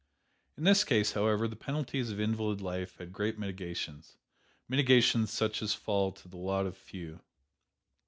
In his case, however, the penalties of invalid life had great mitigations mitigations such as fall to the lot of few.